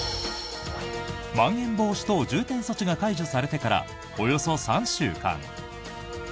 まん延防止等重点措置が解除されてからおよそ３週間。